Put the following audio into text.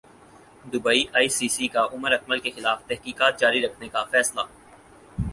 Dubai ئی سی سی کا عمراکمل کیخلاف تحقیقات جاری رکھنے کا فیصلہ